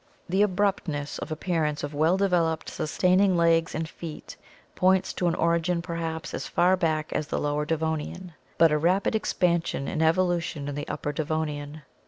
The abrupt ness of appearance of well developed sustaining legs and feet points to an origin perhaps as far back as the Lower Devonian, but a rapid expansion and evolution in the Upper Devonian.